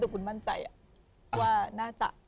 แต่คุณมั่นใจว่าน่าจะ